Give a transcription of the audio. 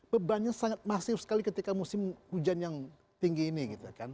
bebannya sangat masif sekali ketika musim hujan yang tinggi ini gitu kan